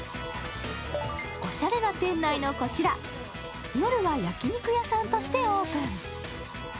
おしゃれな店内のこちら、夜は焼肉屋さんとしてオープン。